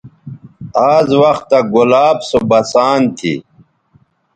آز وختہ گلاب سو بسان تھی